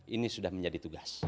ini sudah menjadi tugas